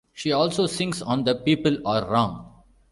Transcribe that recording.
She also sings on the People Are Wrong!